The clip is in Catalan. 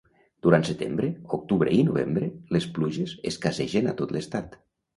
Durant setembre, octubre i novembre, les pluges escassegen a tot l'estat.